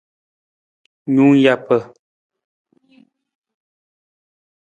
Nung japa.